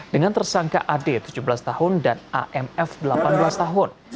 dengan tersangka ad tujuh belas tahun dan amf delapan belas tahun